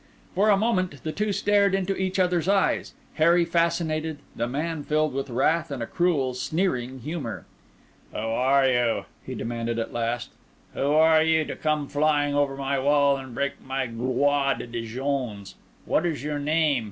For a moment the two stared into each other's eyes, Harry fascinated, the man filled with wrath and a cruel, sneering humour. "Who are you?" he demanded at last. "Who are you to come flying over my wall and break my Gloire de Dijons! What is your name?"